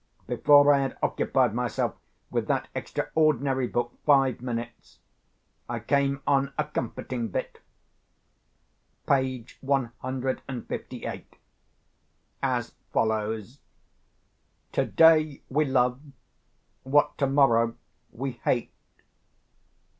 Before I had occupied myself with that extraordinary book five minutes, I came on a comforting bit (page one hundred and fifty eight), as follows: "Today we love, what tomorrow we hate."